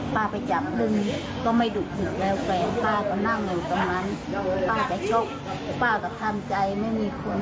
ป้าทำใจป้าอย่าร้องไห้เดี๋ยวผมอยู่เป็นเพื่อน